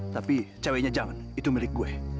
tapi ceweknya jangan itu milik gue